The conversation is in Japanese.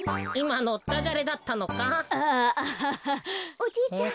おじいちゃん